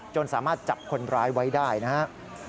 สามารถจับคนร้ายไว้ได้นะครับ